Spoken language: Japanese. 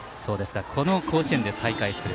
この甲子園で再会する。